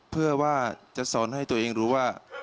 เพื่อว่าจะสอนให้ตัวเองรู้ว่า